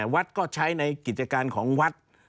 วัดก็ใช้ในกิจการของวัด